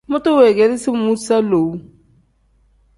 Mutu weegeresi muusa lowu.